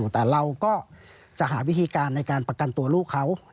แต่เราก็จะหาวิธีการในการประกันตัวลูกเขา